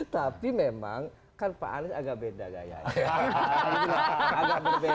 tapi memang kan pak anies agak beda gayanya